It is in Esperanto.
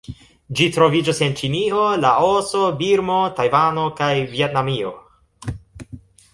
Ĝi troviĝas en Ĉinio, Laoso, Birmo, Tajvano kaj Vjetnamio.